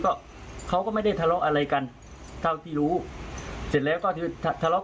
ก็เขาก็ไม่ได้ทะเลาะอะไรกันเท่าที่รู้เสร็จแล้วก็ที่ทะเลาะ